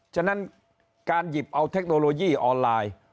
ฉะนั้นการหยิบเอาเทคโนโลยีออนไลน์